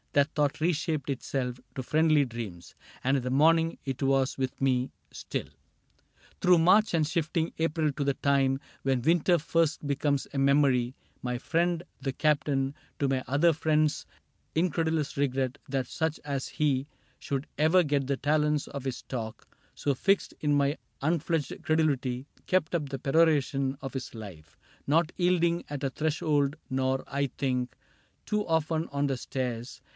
That thought reshaped itself to friendly dreams, And in the morning it was with me still. 14 CAPTAIN CRAIG Through March and shifting April to the time When winter first becomes a memory My friend the Captain — to my other friend's Incredulous regret that such as he Should ever get the talons of his talk So fixed in my unfledged credulity — Kept up the peroration of his life, Not yielding at a threshold, nor, I think. Too often on the stairs.